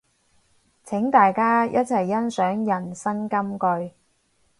請大家一齊欣賞人生金句